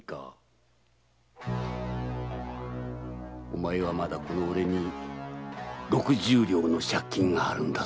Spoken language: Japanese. お前はまだ俺に六十両の借金があるんだぞ？